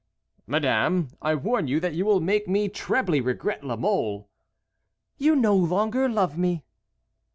"Madame, I warn you that you will make me trebly regret La Mole." "You no longer love me."